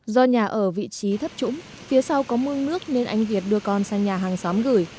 do nhà ở vị trí thấp trũng phía sau có mương nước nên anh việt đưa con sang nhà hàng xóm gửi